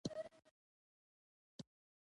آیا ایران او افغانستان نه دي؟